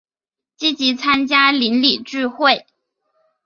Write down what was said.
积极参与邻里聚会